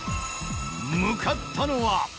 向かったのは。